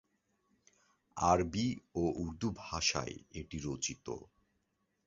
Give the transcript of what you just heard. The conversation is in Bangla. আরবি ও উর্দু ভাষায় এটি রচিত।